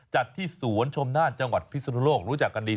จัดที่สวนชมนานจังหวัดพิศนุโลกรู้จักกันดี